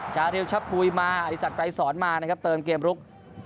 จาริวชะปุ๋ยมาอธิสักไกรสอนมานะครับเติมเกมลุก